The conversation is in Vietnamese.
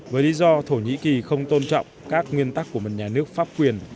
với lý do thổ nhĩ kỳ không tôn trọng các nguyên tắc của một nhà nước pháp quyền